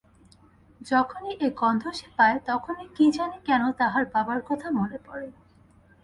যখনই এ গন্ধ সে পায় তখনই কি জানি কেন তাহার বাবার কথা মনে পড়ে।